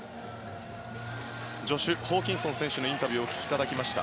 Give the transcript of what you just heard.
ジョシュ・ホーキンソン選手のインタビューをお聞きいただきました。